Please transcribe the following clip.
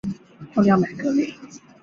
强调探究过程而不是现成的知识。